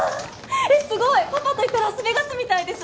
えっすごいパパと行ったラスベガスみたいです。